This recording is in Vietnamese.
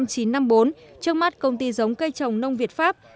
trước mắt công ty giống cây trồng nông việt pháp